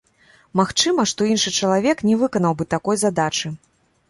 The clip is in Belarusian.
Магчыма, што іншы чалавек не выканаў бы такой задачы.